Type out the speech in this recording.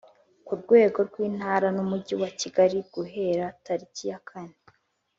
ku rwego rw Intara n Umujyi wa Kigali guhera tariki ya kane